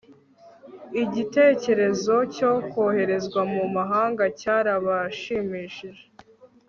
igitekerezo cyo koherezwa mu mahanga cyarabashimishije